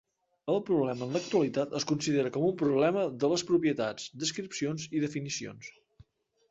El problema en l'actualitat es considera com un problema de les propietats, descripcions i definicions.